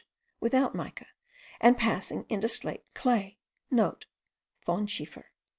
without mica, and passing into slate clay,* (* Thonschiefer.)